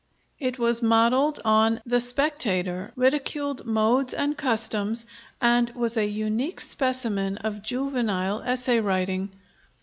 It was modeled on the Spectator, ridiculed modes and customs, and was a unique specimen of juvenile essay writing.